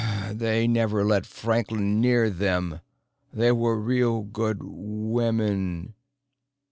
They never let Franklin near them. They were real good women."